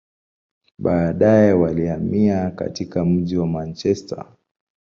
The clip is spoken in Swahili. Baadaye, walihamia katika mji wa Manchester.